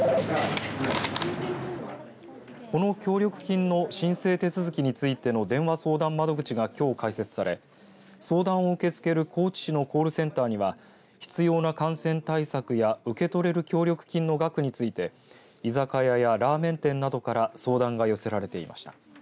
この協力金の申請手続きについての電話相談窓口が、きょう開設され相談を受け付ける高知市のコールセンターには必要な感染対策や受け取れる協力金の額について居酒屋やラーメン店などから相談が寄せられていました。